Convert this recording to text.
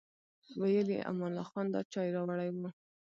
ویل یې امان الله خان دا چای راوړی و.